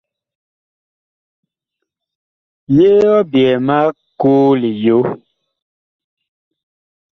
Yee ɔ byɛɛ ma koo liyo ?